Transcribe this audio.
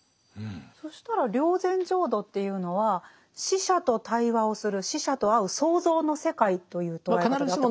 そしたら霊山浄土っていうのは死者と対話をする死者と会う想像の世界という捉え方で合ってますか？